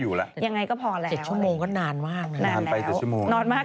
ยังไงก็พอแล้ว๗ชั่วโมงก็นานมาก